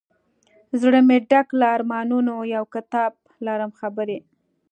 زړه مي ډک له ارمانونو یو کتاب لرم خبري